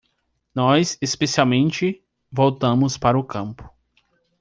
Nós especialmente voltamos para o campo